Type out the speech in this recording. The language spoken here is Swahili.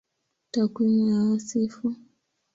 Takwimu ya Wasifu